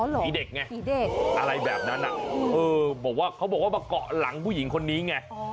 ผีเด็กไงเด็กอะไรแบบนั้นบอกว่าเขาบอกว่ามาเกาะหลังผู้หญิงคนนี้ไง